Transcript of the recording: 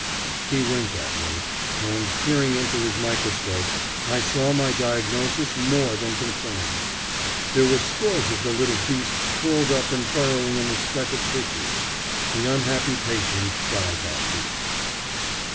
He winked at me, and, peering into his microscope, I saw my diagnosis more than confirmed. There were scores of the little beasts curled up and burrowing in the speck of tissue. The unhappy patient died that week.